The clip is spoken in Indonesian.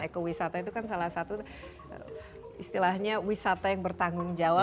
ekowisata itu kan salah satu istilahnya wisata yang bertanggung jawab